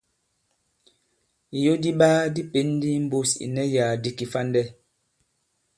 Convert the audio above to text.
Ìyo di iɓaa di pěn ndi i mbūs ì ìnɛsyàk di kifandɛ.